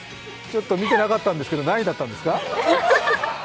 ちょっと見てなかったんですけど、何位だったんですか？